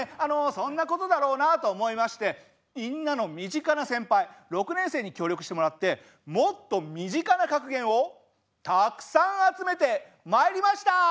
そんなことだろうなと思いましてみんなの身近な先輩６年生に協力してもらってもっと身近な格言をたくさん集めてまいりました。